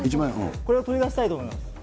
これを取り出したいと思います。